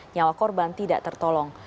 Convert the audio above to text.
nyawa korban tidak tertolong